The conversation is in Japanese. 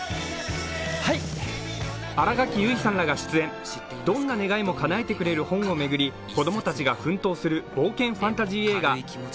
新垣結衣さんらが出演、どんな願いもかなえてくれる本を巡り、子供たちが奮闘する冒険ファンタジー映画「ＧＨＯＳＴＢＯＯＫ